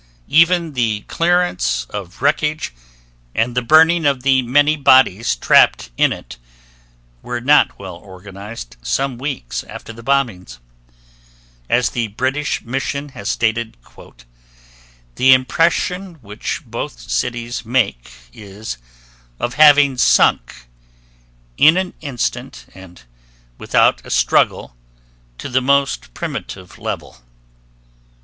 Even the clearance of wreckage and the burning of the many bodies trapped in it were not well organized some weeks after the bombings. As the British Mission has stated, "the impression which both cities make is of having sunk, in an instant and without a struggle, to the most primitive level."